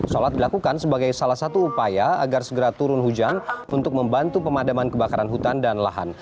sholat dilakukan sebagai salah satu upaya agar segera turun hujan untuk membantu pemadaman kebakaran hutan dan lahan